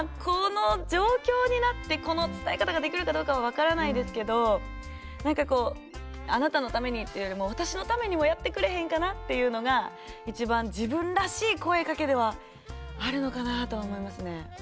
この状況になってこの伝え方ができるかどうかは分からないですけど何かこうあなたのためにっていうよりも私のためにもやってくれへんかなっていうのが一番自分らしい声かけではあるのかなと思いますね。